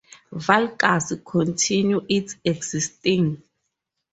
Valgus continued its existing.